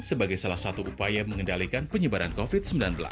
sebagai salah satu upaya mengendalikan penyebaran covid sembilan belas